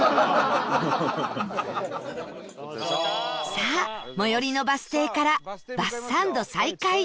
さあ最寄りのバス停からバスサンド再開です